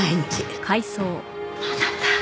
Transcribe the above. あなた！